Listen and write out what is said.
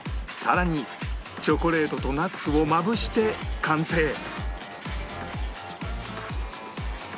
さらにチョコレートとナッツをまぶして完成